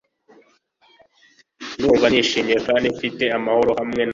Ndumva nishimye kandi mfite amahoro hamwe nanjye.